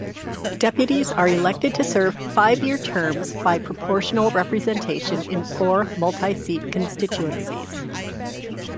Deputies are elected to serve five-year terms by proportional representation in four multi-seat constituencies.